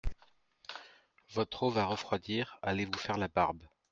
Votre eau va refroidir… allez vous faire la barbe.